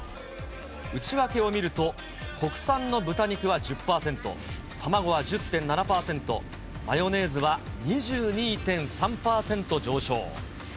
内訳をみると、国産の豚肉は１０％、卵は１０．７％、マヨネーズは２２．３％上昇。